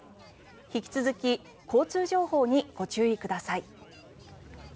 引き続き交通情報にご注意ください。